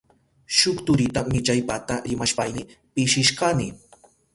Shuk turita millaypata rimashpayni pishishkani.